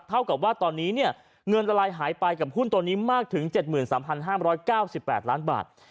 เท่ากับว่าตอนนี้เนี่ยเงินละลายหายไปกับหุ้นตัวนี้มากถึง๗๓๕๙๘ล้านบาท